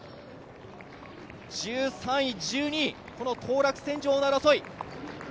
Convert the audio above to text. １３位、１２位の当落線上の争い。